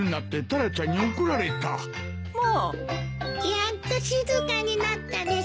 やっと静かになったです。